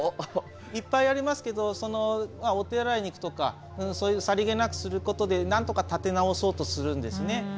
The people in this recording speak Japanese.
いっぱいありますけどそのお手洗いに行くとかそういうさりげなくすることでなんとか立て直そうとするんですね。